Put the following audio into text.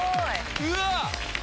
うわっ。